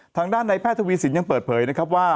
ทางด้านในแพทย์ทวีสินยังเปิดเผยนะครับว่า